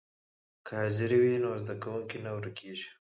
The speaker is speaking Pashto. که حاضري وي نو زده کوونکی نه ورکېږي.